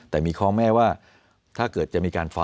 แต่มีข้อแม่ว่าถ้าเกิดจะมีการฟ้า